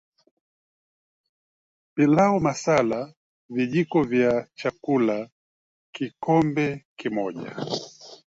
Pilau masala Vijiko vya chakula kikombe kimoja